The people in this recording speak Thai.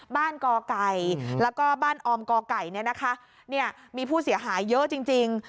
บ้านกอไก่แล้วก็บ้านออมกอไก่มีผู้เสียหายเยอะจริง